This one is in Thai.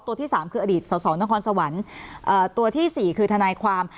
ที่สามคืออดีตสอสอนครสวรรค์ตัวที่สี่คือทนายความ